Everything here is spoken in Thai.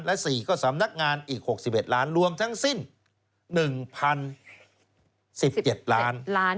และ๔ก็สำนักงานอีก๖๑ล้านรวมทั้งสิ้น๑๐๑๗ล้าน